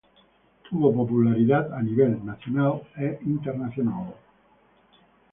Tuvo popularidad a nivel nacional e internacional.